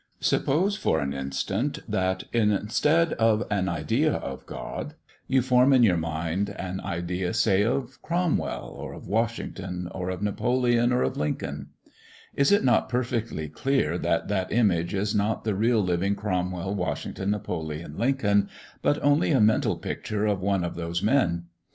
Suppose, for an instance, that, instead of an idea of God, you form in your mind an idea, say, of Cromwell, or of Washington, or of Napoleon, or of Lincoln. Is it not perfectly clear that that image is not the real living Cromwell, Washington, Napoleon, Lincoln, but only a mental picture of one of those men?